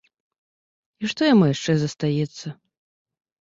І што яму яшчэ застаецца?